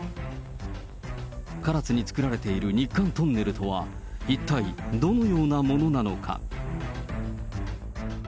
唐津につくられている日韓トンネルとは、一体どのようなものなのか。